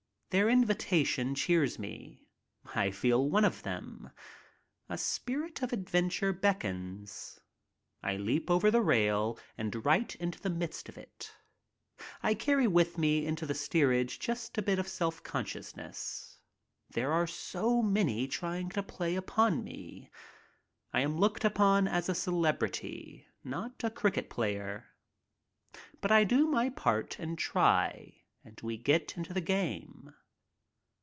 Their invitation cheers me. I feel one of them. A spirit of adventure beckons. I leap over the rail and right into the midst of it. I carry with me into the steerage just a bit of self con sciousness — there are so many trying to play upon me. I am looked upon as a celebrity, not a cricket player. But I do my part and try and we get into the game.